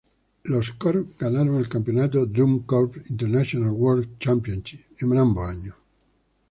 Los "corps" ganaron el campeonato "Drum Corps International World Championships" en ambos años.